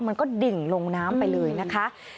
มันก็ดิ่งลงน้ำไปเลยนะคะ